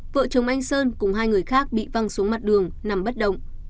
vợ chồng anh sơn cùng hai người khác bị văng xuống mặt đường nằm bất động